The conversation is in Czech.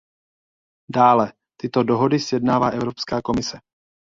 Dále, tyto dohody sjednává Evropská komise.